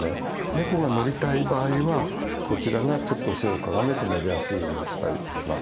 ネコが乗りたい場合はこちらがちょっと背をかがめて乗りやすいようにしたりします。